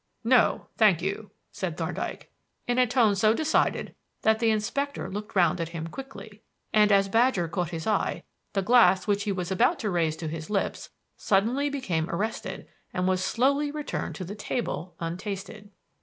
"No, thank you," said Thorndyke, in a tone so decided that the inspector looked round at him quickly. And as Badger caught his eye, the glass which he was about to raise to his lips became suddenly arrested and was slowly returned to the table untasted.